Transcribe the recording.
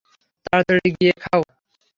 তাড়াতাড়ি গিয়ে খাও।